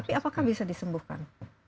tapi apakah bisa disembuhkan